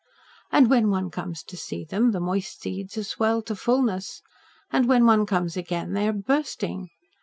And when one comes to see them, the moist seeds are swelled to fulness, and when one comes again they are bursting.